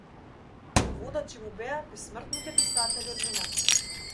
Водачи му беа бесмртните писатели од минатото.